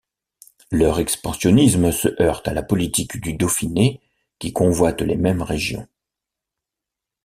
Leur expansionnisme se heurte à la politique du Dauphiné qui convoite les mêmes régions.